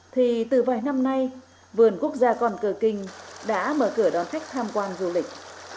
thì từ vài năm nay vườn quốc gia con cờ kinh đã mở cửa đón khách tham quan du lịch